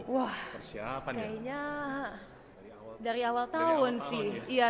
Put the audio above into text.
wah kayaknya dari awal tahun sih